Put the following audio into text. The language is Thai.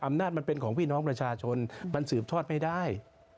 อำนาจมันเป็นของพี่น้องประชาชนมันสืบทอดไม่ได้